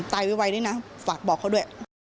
ไวด้วยนะฝากบอกเขาด้วย